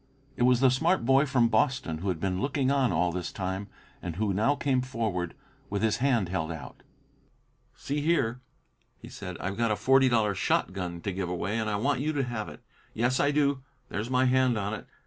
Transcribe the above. It was the smart boy from Boston who had been looking on all this time, and who now came forward with his hand held out. "See here!" he said. "I've got a forty dollar shotgun to give away, and I want you to have it. Yes, I do. There's my hand on it.